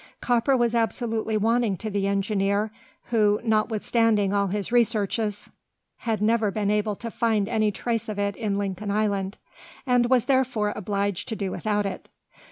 Copper was absolutely wanting to the engineer, who, notwithstanding all his researches, had never been able to find any trace of it in Lincoln Island, and was therefore obliged to do without it.